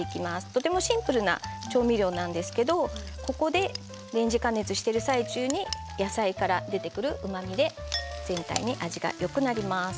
とてもシンプルな調味料なんですけどレンジ加熱している最中に野菜から出てくるうまみで全体に味がよくなります。